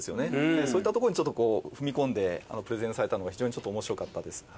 そういったとこにちょっとこう踏み込んでプレゼンされたのが非常にちょっとおもしろかったです。